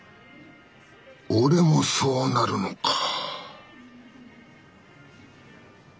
俺もそうなるのか。